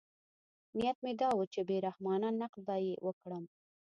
نیت مې دا و چې بې رحمانه نقد به یې وکړم.